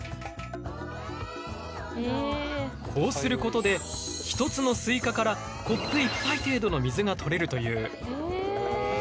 こうすることで１つのスイカからコップ１杯程度の水が取れるという。